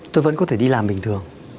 tôi vẫn có thể đi làm bình thường